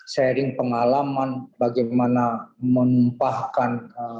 sharing pengalaman bagaimana menumpahkan